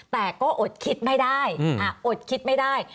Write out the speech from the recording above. แต่ก็อดคิดไม่ได้อดคิดไม่ได้